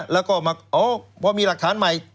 แล้วก็มีหลักฐานใหม่